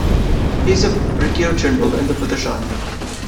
He was a Brigadier-General in the British Army.